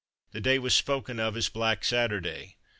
The day was spoken of as "Black Saturday."